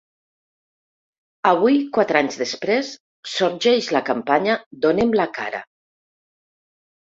Avui, quatre anys després, sorgeix la campanya ‘Donem la cara’.